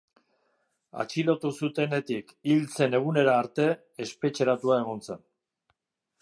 Atxilotu zutenetik hil zen egunera arte espetxeratua egon zen.